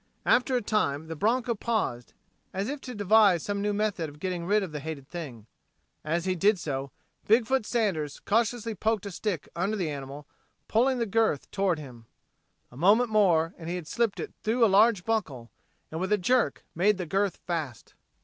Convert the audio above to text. After a time the broncho paused, as if to devise some new method of getting rid of the hated thing. As he did so, Big foot Sanders cautiously poked a stick under the animal, pulling the girth toward him. A moment more and he had slipped it through a large buckle, and, with a jerk, made the girth fast.